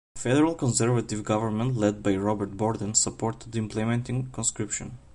The federal Conservative government, led by Robert Borden, supported implementing conscription.